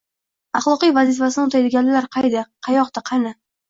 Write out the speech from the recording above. Axloqiy vazifasini o'taydiganlar qayda, qayokda, qani?!